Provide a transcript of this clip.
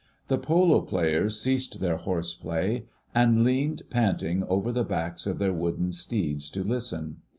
The polo players ceased their horseplay, and leaned panting over the backs of their wooden steeds to listen.